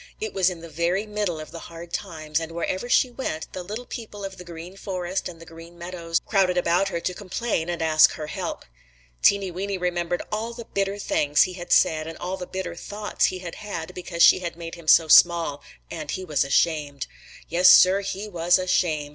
It was in the very middle of the hard times and wherever she went, the little people of the Green Forest and the Green Meadows crowded about her to complain and ask her help. Teeny Weeny remembered all the bitter things he had said and all the bitter thoughts he had had because she had made him so small, and he was ashamed. Yes, Sir, he was ashamed.